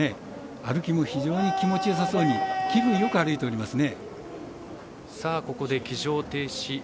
歩きも非常に、気持ちよさそうに気分よく歩いておりますね。